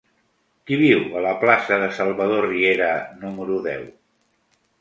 Qui viu a la plaça de Salvador Riera número deu?